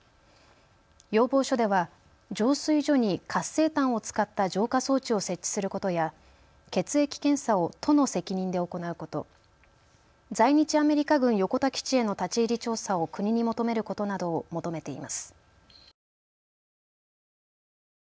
要望書では浄水所に活性炭を使った浄化装置を設置することや血液検査を都の責任で行うこと、在日アメリカ軍横田基地への立ち入り調査を国に求めることなどを求めています。